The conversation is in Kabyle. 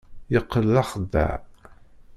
Yeqqel d axeddaε.